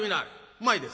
うまいです。